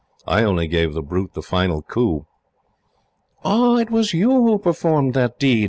I only gave the brute the final coup." "Ah, it was you who performed that deed!"